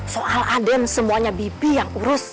soal aden semuanya bibi yang urus